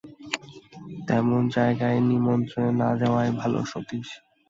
তেমন জায়গায় নিমন্ত্রণে না যাওয়াই ভালো, সতীশ।